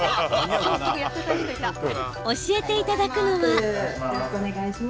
教えていただくのは。